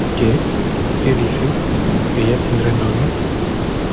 ¿Qué? ¿Qué dices? que ya tendrá novio.